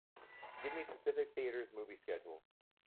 Give me Pacific Theatres movie schedules